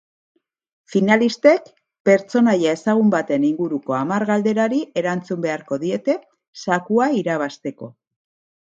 Finalistek pertsonaia ezagun baten inguruko hamar galderari erantzun beharko diete zakua irabazteko.